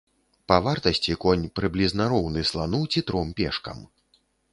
Па вартасці конь прыблізна роўны слану ці тром пешкам.